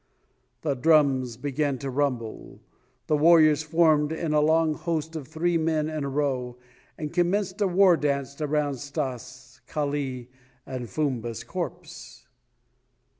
The drums began to rumble. The warriors formed in a long host of three men in a row and commenced a war dance around Stas, Kali, and Fumba's corpse.